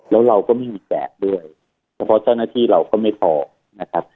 แล้วเราก็ไม่มีแจกด้วยเฉพาะเจ้าหน้าที่เราก็ไม่พอนะครับ